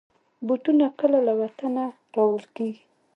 بوټونه کله له وطنه راوړل کېږي.